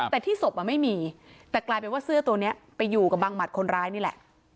แต่ที่ศพไม่มีแต่กลายเป็นว่าเสื้อตัวนี้ไปอยู่กับบังหมัดคนร้ายนี่แหละ